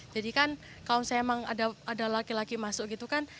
jadi kan kalau saya emang ada laki laki masuk gitu kan